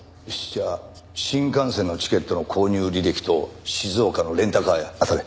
じゃあ新幹線のチケットの購入履歴と静岡のレンタカー屋あたれ。